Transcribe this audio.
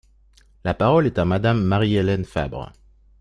La parole est à Madame Marie-Hélène Fabre.